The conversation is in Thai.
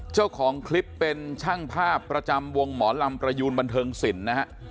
เจ้าของคลิปเป็นช่างภาพประจำวงหมอลำประยูนบันเทิงศิลป์นะฮะ